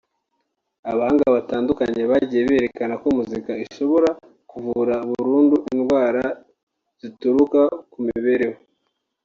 abahanga batandukanye bagiye berekana ko Muzika ishobora kuvura burundu indwara zituruka ku mibereho